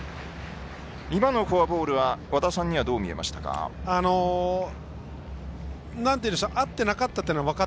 今のフォアボールは和田さんにはどう見えましたか？